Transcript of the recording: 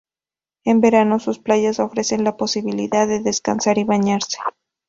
En verano, sus playas ofrecen la posibilidad de descansar y bañarse.